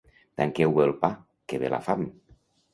Tanqueu bé el pa, que ve la fam.